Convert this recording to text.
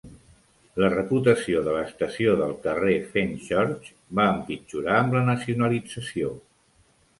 La reputació de l'estació del carrer Fenchurch va empitjorar amb la nacionalització.